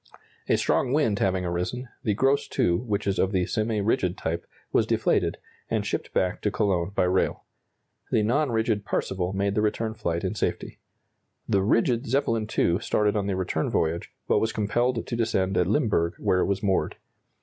A strong wind having arisen, the "Gross II," which is of the semi rigid type, was deflated, and shipped back to Cologne by rail. The non rigid "Parseval" made the return flight in safety. The rigid "Zeppelin II" started on the return voyage, but was compelled to descend at Limburg, where it was moored.